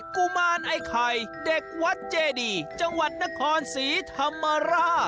กุมารไอขา